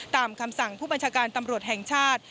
คำสั่งผู้บัญชาการตำรวจแห่งชาติ